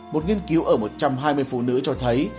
một nghiên cứu ở một trăm hai mươi phụ nữ cho thấy